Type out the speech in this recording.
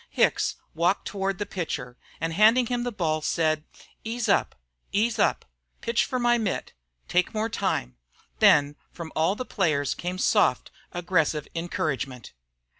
Hicks walked toward the pitcher, and handing him the ball said: "Ease up! Ease up! Pitch fer my mitt! Take more time!" Then from all the players came soft, aggressive encouragement.